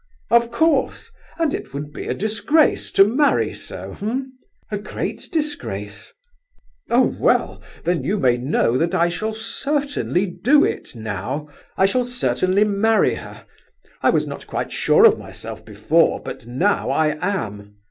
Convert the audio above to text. "Of course! And it would be a disgrace to marry so, eh?" "A great disgrace." "Oh, well, then you may know that I shall certainly do it, now. I shall certainly marry her. I was not quite sure of myself before, but now I am.